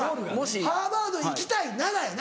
「ハーバード行きたいなら」やな。